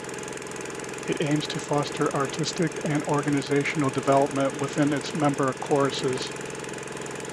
It aims to foster artistic and organizational development within its member choruses.